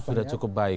sudah cukup baik